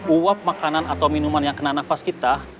uap makanan atau minuman yang kena nafas kita